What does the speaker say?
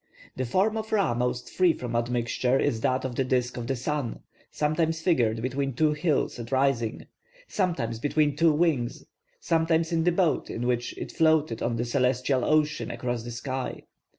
The form of Ra most free from admixture is that of the disk of the sun, sometimes figured between two hills at rising, sometimes between two wings, sometimes in the boat in which it floated on the celestial ocean across the sky.